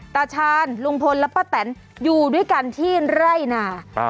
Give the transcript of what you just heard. ตาชาญลุงพลและป้าแตนอยู่ด้วยกันที่ไร่นา